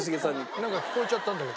なんか聞こえちゃったんだけど。